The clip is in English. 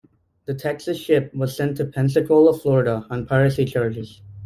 The Texas ship was sent to Pensacola, Florida, on piracy charges.